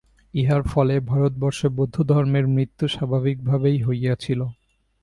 ইহার ফলে ভারতবর্ষে বৌদ্ধধর্মের মৃত্যু স্বাভাবিকভাবেই হইয়াছিল।